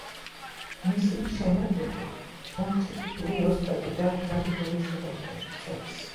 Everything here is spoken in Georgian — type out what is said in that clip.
მისი მშენებელი მომწიფებული ოსტატი და გაბედული შემოქმედი ჩანს.